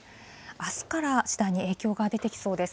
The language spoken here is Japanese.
あすから次第に影響が出てきそうです。